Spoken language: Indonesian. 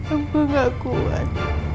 aku gak kuat